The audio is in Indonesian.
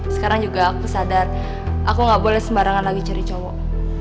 sekarang juga aku sadar aku nggak boleh sembarangan lagi cari cowok